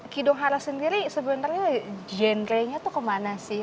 ki dohara sendiri sebenarnya genre nya tuh kemana sih